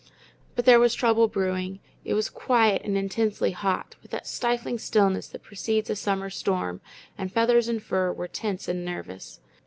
But there was trouble brewing. It was quiet and intensely hot, with that stifling stillness that precedes a summer storm, and feathers and fur were tense and nervous.